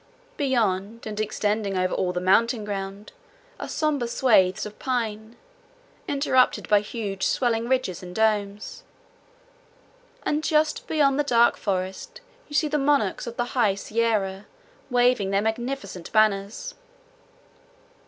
Beyond, and extending over all the middle ground, are somber swaths of pine, interrupted by huge swelling ridges and domes; and just beyond the dark forest you see the monarchs of the High Sierra waving their magnificent banners.